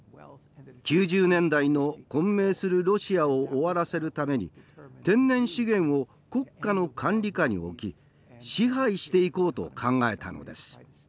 ９０年代の混迷するロシアを終わらせるために天然資源を国家の管理下に置き支配していこうと考えたのです。